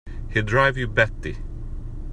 He'll drive you batty!